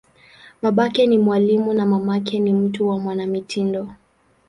Babake ni mwalimu, na mamake ni mtu wa mwanamitindo.